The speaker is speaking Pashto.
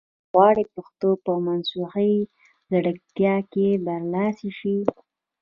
غواړم پښتو په مصنوعي ځیرکتیا کې برلاسې شي